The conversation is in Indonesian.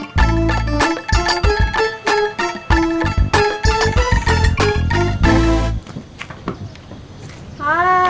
biar sama saya aja teh